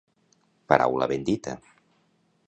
Paraula ben dita.